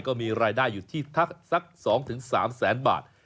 ก็มีรายได้อยู่ที่สัก๒๓แสนบาท